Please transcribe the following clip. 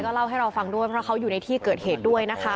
เล่าให้เราฟังด้วยเพราะเขาอยู่ในที่เกิดเหตุด้วยนะคะ